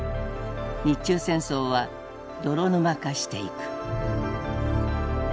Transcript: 日中戦争は泥沼化していく。